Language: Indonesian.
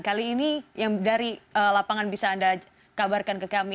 kali ini yang dari lapangan bisa anda kabarkan ke kami